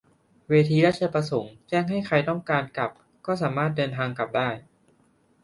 เวทีราชประสงค์แจ้งใครที่ต้องการกลับก็สามารถเดินทางกลับได้